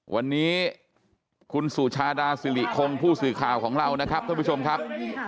วันนี้คุณสุชาดาสิริคงผู้สื่อข่าวของเรานะครับท่านผู้ชมครับ